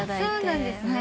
そうなんですね。